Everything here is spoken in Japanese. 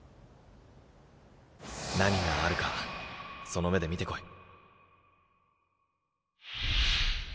何があるかその目で見てこい。